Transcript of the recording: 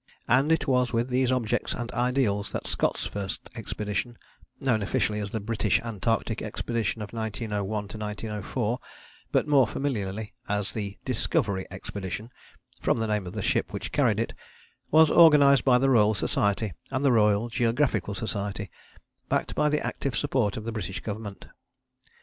And it was with these objects and ideals that Scott's first expedition, known officially as the British Antarctic Expedition of 1901 1904, but more familiarly as 'The Discovery Expedition,' from the name of the ship which carried it, was organized by the Royal Society and the Royal Geographical Society, backed by the active support of the British Government.